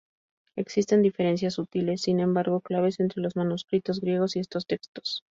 Existen diferencias sutiles sin embargo claves entre los manuscritos griegos y estos textos.